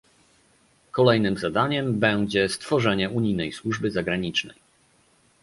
Kolejnym zadaniem będzie stworzenie unijnej służby zagranicznej